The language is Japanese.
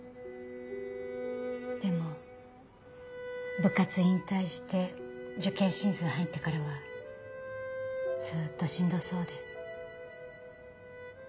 でも部活引退して受験シーズン入ってからはずっとしんどそうで。